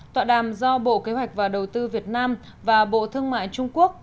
tọa đàm do bộ kế hoạch và đầu tư việt nam và bộ thương mại trung quốc